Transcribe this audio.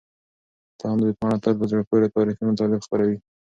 تاند ویبپاڼه تل په زړه پورې تاريخي مطالب خپروي.